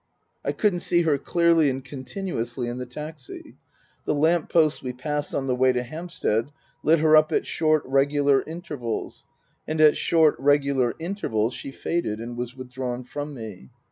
I couldn't $ee her clearly and continuously in the taxi. The lamp posts we passed on the way to Hampstead lit her up at short, regular intervals, and at short, regular intervals she faded and was withdrawn from me.